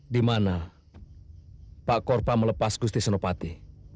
dimana pak korpa melepas gusti senopati